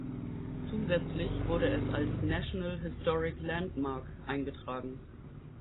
Zusätzlich wurde es als National Historic Landmark eingetragen.